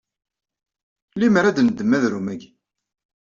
Limmer a d-neddem adrum agi?